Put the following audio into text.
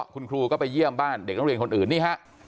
คุณครูก็ไปเยี่ยมบ้านเด็กนักเรียนคนอื่นนี่ฮะ